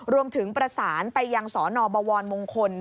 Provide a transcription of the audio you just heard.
รวมถึงประสานไปยังสนบวรมงคล